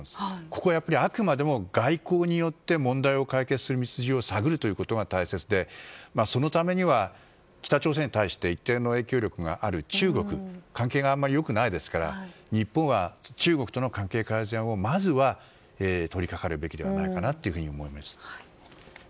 ここはやっぱりあくまでも外交によって問題を解決する道筋を探ることが大切でそのためには北朝鮮に対して一定の影響力がある中国と関係があまり良くないですから日本は中国との関係改善をまずは取り掛かるべきじゃないかなと思います。